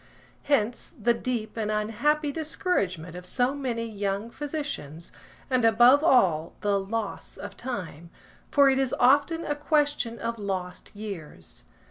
Hence the deep and unhappy discouragement of so many young physicians, and, above all, the loss of time; for it is often a question of lost years.